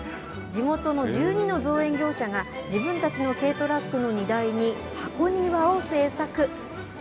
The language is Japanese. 地元の１２の造園業者が、自分たちの軽トラックの荷台に箱庭を制作。